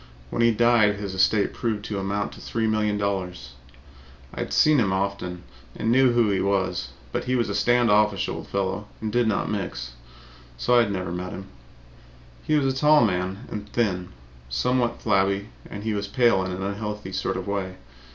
When he died, his estate proved to amount to three million dollars. I had seen him often, and I knew who he was, but he was a stand offish old fellow and did not mix, so I had never met him. He was a tall man and thin, somewhat flabby and he was pale in an unhealthy sort of way.